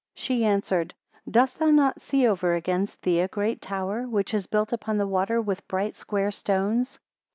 24 She answered, Dost thou not see over against thee a great tower, which is built upon the water with bright square stones?